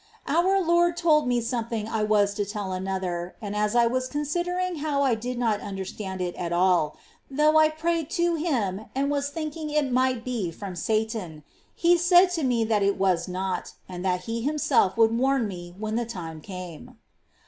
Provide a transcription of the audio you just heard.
3. Our Lord told me something I was to tell another, and as I was considering how I did not understand it at all, — though I prayed to Him, and was thinking it might be from Satan, — He said to me that it was not, and that He Himself would warn me when the time came.